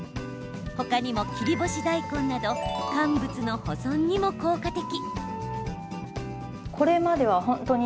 他にも、切り干し大根など乾物の保存にも効果的。